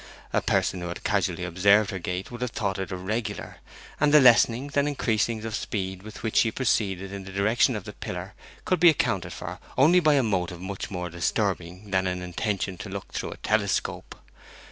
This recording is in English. A person who had casually observed her gait would have thought it irregular; and the lessenings and increasings of speed with which she proceeded in the direction of the pillar could be accounted for only by a motive much more disturbing than an intention to look through a telescope.